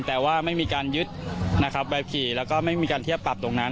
แต่ว่าไม่มีการยึดนะครับใบขี่แล้วก็ไม่มีการเทียบปรับตรงนั้น